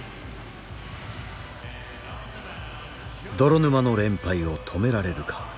泥沼の連敗を止められるか。